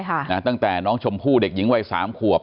ตั้งแต่น้องชมพู่เด็กหญิงวัยสามขวบ